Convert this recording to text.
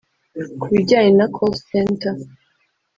Ku bijyanye na Call Centre